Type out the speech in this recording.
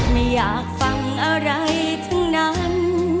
ไม่อยากฟังอะไรทั้งนั้น